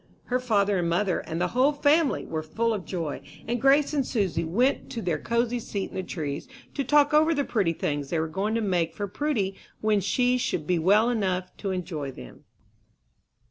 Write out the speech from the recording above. Her father and mother, and the whole family, were full of joy, and Grace and Susy went to their cosy seat in the trees to talk over the pretty things they were going to make for Prudy when she should be well enough to enjoy them.